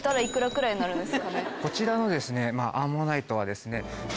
こちらのアンモナイトは。